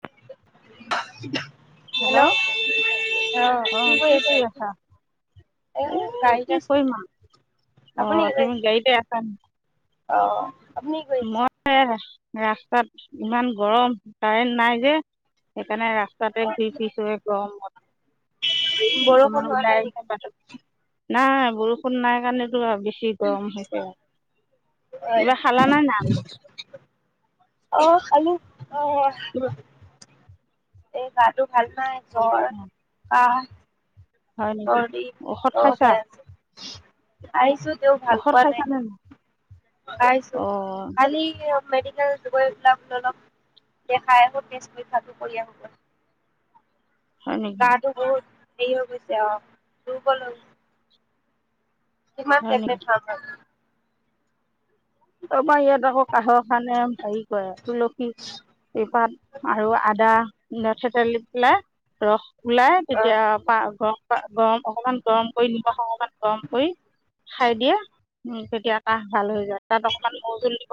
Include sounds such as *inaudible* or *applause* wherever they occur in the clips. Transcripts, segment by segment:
*inaudible* Hello অ'হ কি কৰি আছা? এই এ গাড়ীত কি আছো। কৰিম আৰু অ আপুনি *inaudible* তুমি গাড়ীতে আছা নেকি? অহ। মই ৰাস্তাত। ইমান গৰম। কাৰেণ্ট নাই যে সেইকাৰণে ৰাস্তাতে ঘূৰি ফুৰিছোঁ এই গৰমত। বৰষুণ অকমান হোৱা ওলাই নাই আহিছ নেকি বাটত। নাই। বৰষুণ নাই কাৰণেটো বেছি গৰম হৈছে। আৰু কিবা খালা নাই? *inaudible* অ খালোঁ। অহ কিবা এ কাঁহ টো ভাল হোৱা নাই। এ জ্বৰ-কাহ হয় নেকি? ঔষধ খাইছা? আহিছো। তেও ভাল ঔষধ পোৱা খাইছা নাই। নে খইছো অ কালি মেডিকেল গৈ অলপ *unintelligible* দেখাই আহো টেষ্ট পৰীক্ষাটো কৰি আহো গৈ। হয় নেকি গা-তো বহুত হেৰি হৈ গৈছে আও। দুৰ্বল হৈ কিমান হয় টেবলেট নেকি খাম আও! তাৰপৰা ইয়াত আকৌ কাঁহৰ কাৰনে হেৰি কৰে, তুলসী ৰপাত আৰু আদা থেতেলি পেলাই ৰস ওলাই অ তেতিয়া পা -ঘ গৰম অকমান গৰম কৰি, নিমখ অকমান গৰম কৰি, খাই দিয়া। উম। তেতিয়া কাহ ভাল হৈ যায়। তাত অকণমান মৌ-জোল দি।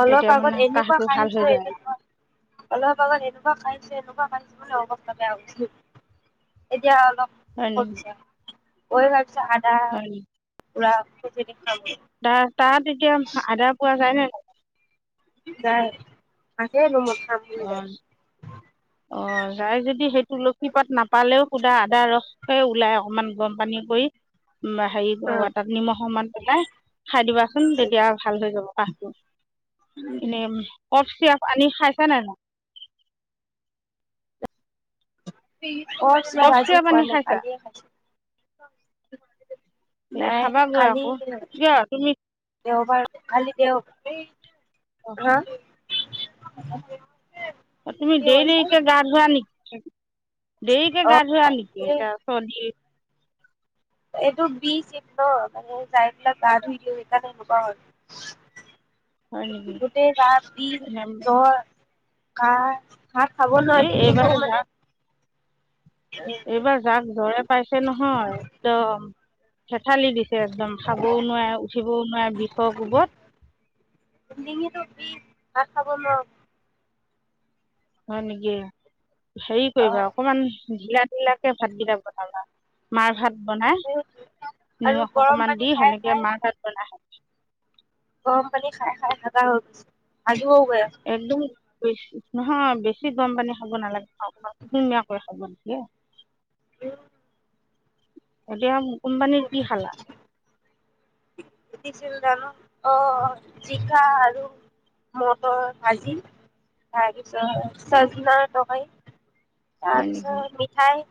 অলপ আগত এনেকুৱা কাহটো ভাল কাঁহিছো। হৈ যায় এনেকুৱা। অলপ আগত এনেকুৱা কাঁহিছো এনেকুৱা কাহিছ অৱস্থা বেয়া হৈ গৈছে। এতিয়া অলপ হয় নেকি কমিছে। অই *inaudible* চা-আদা পোৰা ত তাত এতিয়া আদা পোৱা যায় ন যাই আাকে ন ম। অহ ', - অহ ', যাই যদি সেই তুলসী পাত নাপালেও সুধা আদা ৰস ওলাই অকমান গৰম পানী কৰি। হেৰি তাত নিমখ অমান পেলাই খাই দিবাচোন তেতিয়া ভাল হৈ যাব কাহটো। এনে কফ চিপ আনি খাই। খাইছা নে নাই। স ক চ কফ আজি চিৰাপ পোৱা আনি নাই খাইছা কালিয় খাইছো এই নাই খাবাগৈ কালি আকৌ কিয় তুমি দেওবাৰ। খালি দেও হাহ ', *inaudible* অহ ', তুমি দেৰি দেৰিকে গা ধোৱা নেকি? উম ', দেৰিকে অ গা ধোৱাা নেকি? এ এটা চল এইটো বি চ ন মানে যাইবিলাক গা ধইলো সেইকাৰণে নবাওঁ আৰু। হয় নেকি গোটেই ৰাতি এনে জৰ। কা হাঁ খাব এই নোৱাৰি তেক এইবাৰ যাক মানে। এইবাৰ যাক জৰে পাইছে নহয় একদম। খেঠালি দিছে একদম খাবও নোৱাৰে উঠিবও নোৱাৰে বিষৰ কোবত। ডিঙিটো বিষ ভাত খাব নোৱাৰোঁ হয় নিকি হেৰি অ কৰিবা অকমান জিলাত বিলাকে ভাতগিলাক বনালা মাৰ ভাত। বনাই আৰু নিমখ গৰম অকমান পানী দি খাই সেনেকে খাই মাহ ভাত বনাই হয়। গম পানী খাই - খাই ভাগা হৈ গৈছে আজ। একদম বেছি। নহয় বেছি গম পানী খাব নালাগে। খান ধুনীয়াকৈ খাল মানে। কি? হম ', এতিয়া। কোম্পানীৰ কি খালা? উঠিছিল জানোঁ আহ জিকা আৰু মটৰ ভাজি। তাৰপিছত চায়বিনৰ তৰকাৰি হয় নেকি তাৰপিছত, মিঠাই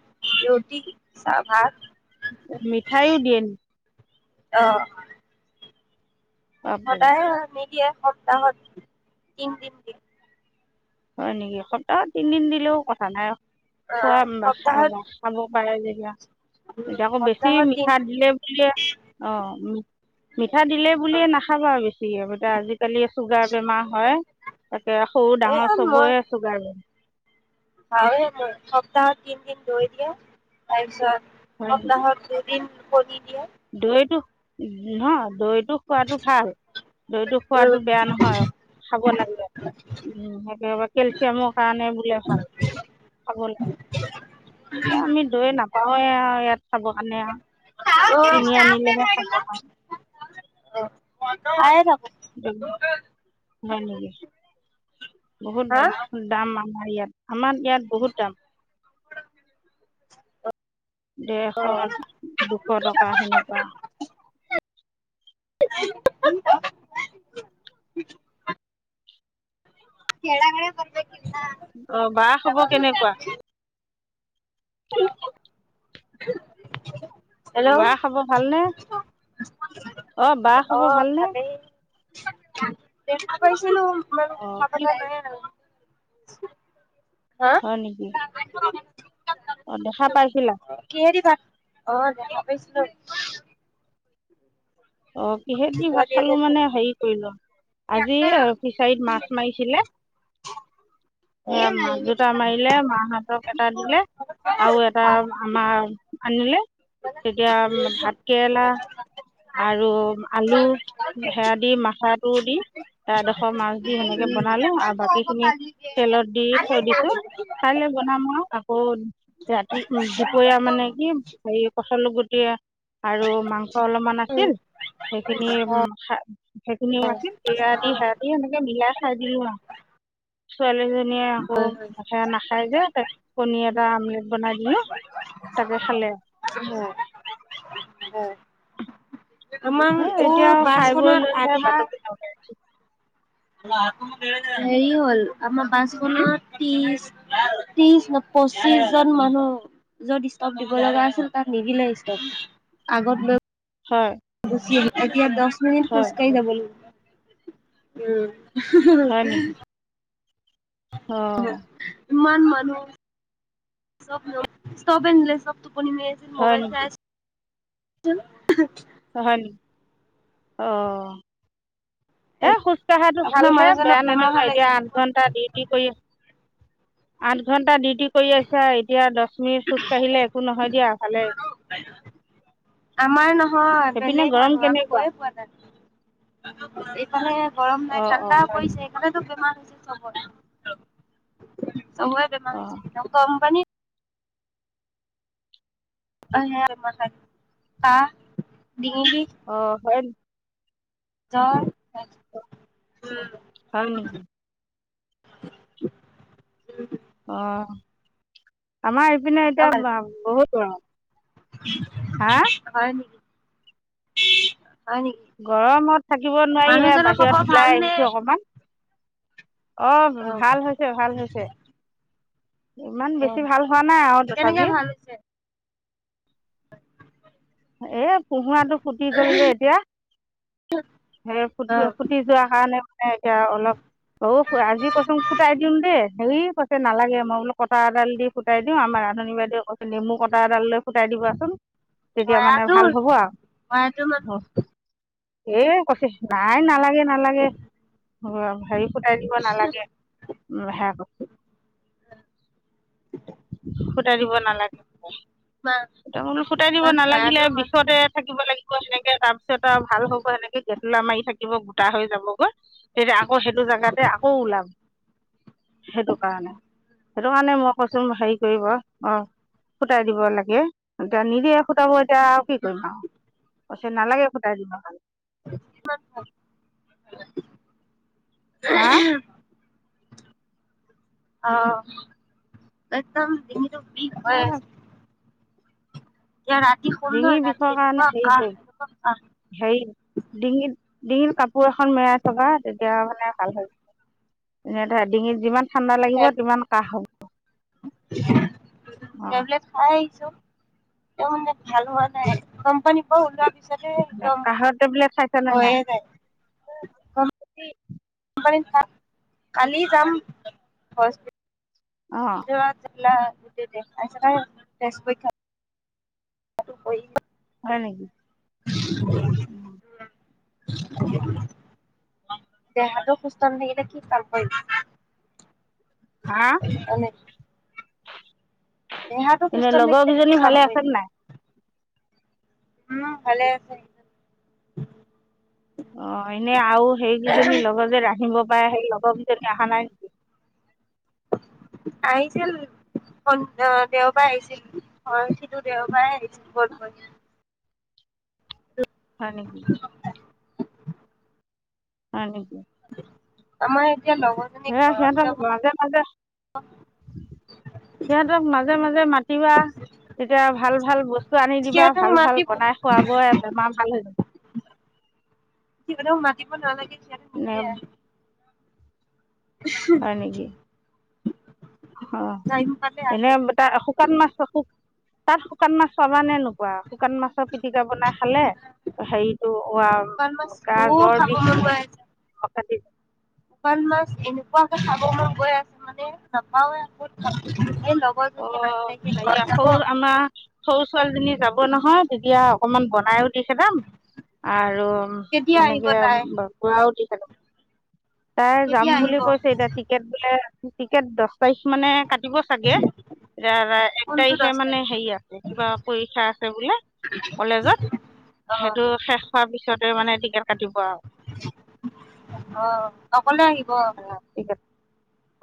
ৰুটি, চাহ, ভাত মিঠাইও দিয়ে নেকি অ' আপোনাৰ সদায়ে হয় নেকি আহ কামত তিন তিন তিন হয় নেকি, সপ্তাহত তিনদিন দিলেও কথা নাই। আহ খোৱাবা খাব সপ্তাহত খাব পাৰে যে *inaudible* উম এতিয়া আকৌ বেছি সপ্তাহত তিন মিঠা দিলে বুলিয়ে অ, পিঠা দিলে বুলিয়ে নাখাবা আৰু বেছিয়ে *unintelligible* আজিকালি চুগাৰ বেমাৰ হয় তাকে সৰু -ডাঙৰ এ মই চবয়ে চুগাৰ *unintelligible* সপ্তাহত তিনদিন দৈ দিয়ে তাৰপিছত সপ্তাহত যে দিন *unintelligible* দৈয়েটো উম, হা দৈ দৈটো খোৱাটো ভাল দৈটো খোৱাটো উম, বেয়া নহয় খাব লাগে উম সেইটো *unintelligible* কেলচিয়ামৰ কাৰণে বোলে ভাল খাব লাগে বা আমি দৈ নাপ *unintelligible* চাব কাৰণে উম, *unintelligible* আ *unintelligible* এই *unintelligible* দৈ হয় নেকি? বহুত হা দাম মা নোৱাৰি ইয়াত আমাৰ ইয়াত বহুত দাম। অ দেৰশ দুশ টকা সেনেকুৱা *unintelligible* *unintelligible* অ বা খব কেনেকুৱা? *unintelligible* *unintelligible* বা খবৰ ভালনে? অ বাহ অ খাব ভালনে? ভালেই *unintelligible* অ' কি পতা *inaudible* হয় নেকি। অ' দেখা পাইছ কিহে দি ভাত অ' দেখা পাইছিলো। অ' কিহেদি ভাত ছোৱালী খালো এজনী উম মানে হেৰি কৰিলো, আজি ফিচাৰীত মাছ মাৰিছিলে সেয়া মাছ দুটা মাৰিলে, মাহতক এটা দিলে আৰু এটা আমাৰ আনিলে। তেতিয়া ভাত কেৰেলা আৰু আলু সেয়া দি মাথাটো দি এডোখৰ মাছ দি সেনেকে বনালো আৰু বাকী খিনি তেলত দি থৈ দিছো কাইলৈ বনাম আৰু আকৌ ৰাতি উম, দুপৰীয়া মানে কি হেৰি পচলা আলুগুটি আৰু মাংস অলপমান সেইখিনি উম সেইখিনিও আছিল বিলাহী সেইয়া দি সেনেকে মিলাই খাই দিলো আৰু। *inaudible* খিনিয়ে আকৌ *unintelligible* নাখাই যে কণী এটা আমলেট বনাই দিলো, তাকে খালে। হয় হয় হয় আমাৰ সেইয়াই আৰু অ এতিয়া আৰু খাই বৈ বাছখনত লৈহে আধা *unintelligible* হেৰি হ'ল আমাৰ বাছখনো ত্ৰিছ ত্ৰিশ ন পঁচিশ জন মানুহ য'ত ষ্টপ দিব লগা আছিল, তাত নিদিলে ষ্টপ, আগত লৈ হয়। গুচি এতিয়া দশ মিনিট হয় খোজকাঢ়ি যাব লাগিব। উম হয় নেকি *unintelligible* অঁ ইমান মান *unintelligible* *unintelligible* হয় ম'বাইল চাই নেকি আছ *unintelligible* হয় নি। অঁ এ খোজ কঢ়াটো আপোনাৰ ভালহে মানুহজনৰ বেয়া বেমাৰ ভাল নহয়-নহয়, এতিয়া হৈছে আঠ ঘন্টা ডিউটি কৰি আঠ ঘণ্টা দি। কৰি আছা এতিয়া দ *unintelligible* আমাৰ নহয় সেইপিনে বেলেগ গৰম মানুহ আমি কেনেকুৱা গৈয়ে পোৱা তাত। অহ ', গৰম নাই অঁ অঁ ঠাণ্ডা হয় নেকি পৰিছে সকাৰণতো বেমাৰ। চ *unintelligible* চবৰে বেমাৰ অঁ হৈছে কম্পানী আহে *unintelligible* ম চ ক অহ ', হয় জৰ হয় নেকি? উম', অহ ', আমাৰ পিনে এতিয়া বহুত। হা হয় নেকি? গৰমত থাকিব নোৱাৰিহে মানুহজনৰ খবৰ বাহিৰত ওলাই ভালনে আহিছো অকমান। অহ অ ', ভাল হৈছে - ভাল হৈছে। ইমান অ বেছি ভাল হোৱা নাই আৰু কেনেকে তথাপি। ভাল হৈছে এ পোহৰাটো ফুটি গল যে এতিয়া সে অ ফুট ফুটি যোৱা কাৰণে। এতিয়া অলপ অহ ', আজি কৈচোন ফুটাই দিম দেই হেৰি কৈছে নালাগে মই বোলো কটা এডাল দি ফুটাই দিওঁ আমাৰ আধুনী বাইদেউে কৈছে নেমু কটা এডাল লৈ ফুটাই দিবাচোন। তেতিয়া মানে ভাল ভয়াতোৰ হ'ব ময় তোৰ মানহ এ কৈছে নাই নালাগে- নালাগে হেৰি- ফুটাই দিব নালাগে উম ', সেয়া কৰ ফুটাই দিব নালাগে মল ফুটাই দিব ইমান নালাগিলে ভয়াতুৰ মানুহ বিষতে থাকিব লাগিব সেনেকে তাৰপিছত আৰু ভাল হ'ব সেনেকে গেছ। লামাই থাকে। কিব গোটা হৈ যাবগৈ তেতিয়া আকৌ সেইটো জোগাতে আকৌ ওলাম সেইটো কাৰণে সেইটো কাৰণে মই কৈছো। চুম হেৰি কৰিব। অহ ', ফুটাই দিব লাগে এতিয়া নিদিয়ে ফুটাব। এতিয়া আৰু কি কৰিমা আৰু। পছে নালাগে ফুটাই দিব। কি? হা অ একদম ডিঙিত চব বিষ হয়ছ ডিঙিৰ ৰাতি বিষৰ কাৰণে এনেকুৱা হেৰি কাহ এনেকুৱা কাহ কৰিব হেৰি ডিঙিত ডিঙিত কাপোৰ এখন মেৰাই থবা তেতিয়া মানে ভাল হৈ এনে ধৰ ডিঙিত যিমান ঠাণ্ডা লাগিব তিমান কাহ হ'ব অ তো ভাল হোৱা নাই কোম্পানী পৰা ওলোৱা পিছ কাহৰ টেবলেট খাইছানে হৈয়ে যায় নাই *unintelligible* কালি যাম হস্পিত অঁ *unintelligible* *unintelligible* আইছ নাই অ তেজ পৰীক্ষাত তাতো পৰি ক হা *unintelligible* দেহাটো সুস্থ নাথাকিলে কি কাম কৰিম হা হয়নে দেহাটো এনে সুস্থ নাথাকিলে কি লগৰকেইজনী কাম ভালে আছে কৰিম নাই উ ভালে আছে অ এনে আউ সেইকেইজনী লগত যে ৰান্ধিব পাৰে সেই লগৰ কেজনী অহা নাই নেকি আহিছিল শন-অ দেওবাৰে আহিছিল অ সিটো দেওবাৰে আহিছিল বল বল হয় নেকি হয় নেকি আমাৰ এতিয়া লগৰজনী হে ঘৰত হেখন যাব মাজে মাজে সিহতক মাজে মাজে মাতিবা তেতিয়া ভাল ভাল বস্তু আনি দিবা সিহঁতক ভাল ভাল মাতিব বনাই খোৱাবই বেমাৰ ভাল হৈ যাব সিহঁতক মাতিব নালাগে সিহঁতে নিজে ন আহে হয় নেকি অ টাইম পালে এনে আহে তাৰ শুকান মাছ শুক তাত শুকান মাছ চাবা নে নো ৱা শুকান মাছৰ পিটিকা বনাই খালে হেৰিটো ৱা শুকান মাছ গা বহুত জ্বৰ খাব মন বিষটো গৈ আছে চাবিছ শুকান মাছ এনেকুৱাকে খাব মন গৈ আছে মানে নাপাওৱে আ কত পাবি অ হাইয়া সৰু আমা সৰু ছোৱালীজনী যাব নহয় তেতিয়া অকণমান বনায়ো *unintelligible* দি খদাম আৰু কেতিয়া আহিব সেনেকে তাই বকৰাও দি *unintelligible* তাই যাম কেতিয়া বুলি আহিব কৈছে এতিয়া টিকেট বোলে টিকেট দহ তাৰিখ মানে কাট কাটিব চাগে এতিয়া এক কোনটো তাৰিখে দহ মানে হেৰি আছে কিবা পৰীক্ষা আছে বোলে কলেজত অ সেইটো শেষ হোৱাৰ পিছতে মানে টিকেট কাটিব আৰু অ অকলে আহিব অহ ঠিক আছে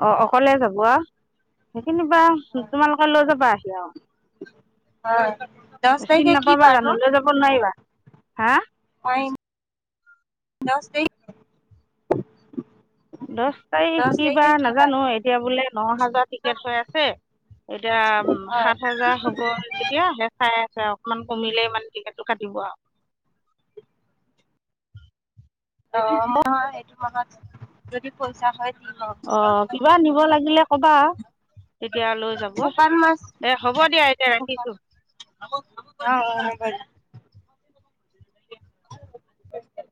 অহ অকলে যাব অহ কেনিবা হয় তোমালোকে লৈ যাবা আহি আৰু দহ চিন তাৰিখে কি নাপাবা বাৰ জানো লৈ যাব নোৱাৰিবা? হা দশ তাৰিখে দহ তাৰিখ কি বাৰ নাজানো এতিয়া বোলে ন হাজাৰ টিকেট হৈ আছে এতিয়া উ হয় সাত হাজাৰ হব যেতিয়া হে চাই অকমান কমিলে ইমান টিকেটটো কাটিব আৰু অহ মই সেইটো মাহত যদি পইচা হয় দিম আৰু অহ কিবা নিব লাগিলে কবা, তেতিয়া লৈ যাব শুকান মাছ দে হ'ব দিয়া এতিয়া শুকান ৰাখিছো। হয় *unintelligible*